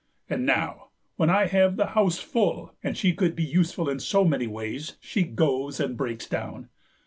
And now, when I have the house full, and she could be useful in so many ways, she goes and breaks down.